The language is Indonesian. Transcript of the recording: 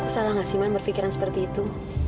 salah gak siman berpikiran seperti itu